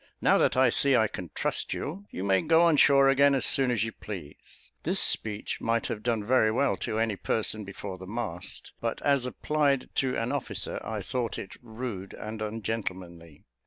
Now that I see I can trust you, you may go on shore again as soon as you please." This speech might have done very well to any person before the mast; but as applied to an officer, I thought it rude and ungentlemanly.